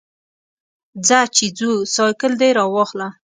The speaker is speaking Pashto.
ځه چې ځو، سایکل دې راواخله.